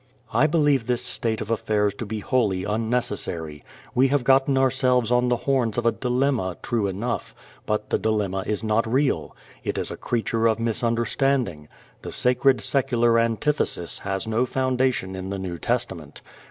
I believe this state of affairs to be wholly unnecessary. We have gotten ourselves on the horns of a dilemma, true enough, but the dilemma is not real. It is a creature of misunderstanding. The sacred secular antithesis has no foundation in the New Testament.